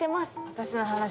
私の話？